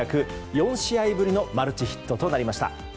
４試合ぶりのマルチヒットとなりました。